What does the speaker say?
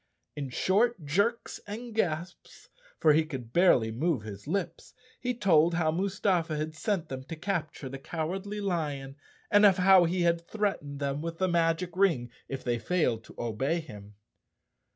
In short jerks and gasps, for he could barely move his lips, he told how Mustafa had sent them to capture the Cowardly Lion and of how he had threatened them with the magic ring if they failed to obey him.